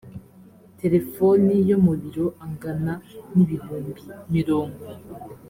telefoni yo mu biro angana n ibihumbi mirongo